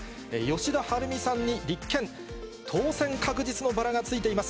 吉田晴美さんに立憲、当選確実のバラがついています。